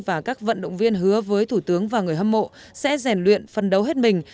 và các vận động viên hứa với thủ tướng và người hâm mộ sẽ rèn luyện phân đấu hết mình